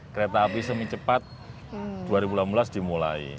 kereta api semi cepat dua ribu delapan belas dimulai